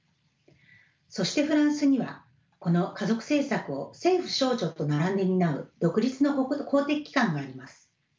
そしてフランスにはこの家族政策を政府省庁と並んで担う独立の公的機関があります。